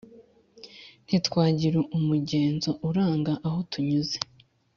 ntitwagira umugenzo uranga aho tunyuze,